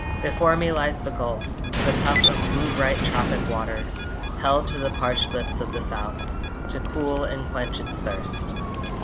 Before me lies the Gulf, The cup of blue bright tropic waters, Held to the parched lips of the South To cool and quench its thirst.